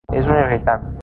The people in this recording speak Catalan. És un irritant.